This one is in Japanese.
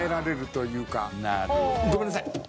ごめんなさい！